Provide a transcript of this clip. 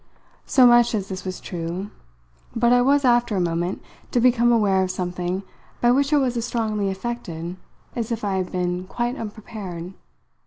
So much as this was true, but I was after a moment to become aware of something by which I was as strongly affected as if I had been quite unprepared.